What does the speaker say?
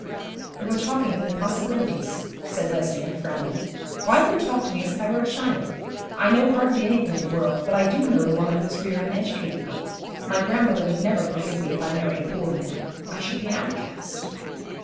'You are talking of impossibilities,' said Lesbia, frowning. 'Why do you talk to me as if I were a child? I know hardly anything of the world, but I do know the woman who has reared and educated me. My grandmother would never forgive me if I married a poor man. I should be an outcast.'